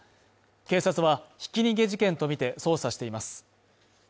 警察はひき逃げ事件とみて捜査しています。